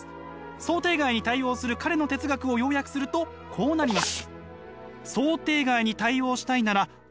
想定外に対応する彼の哲学を要約するとこうなります。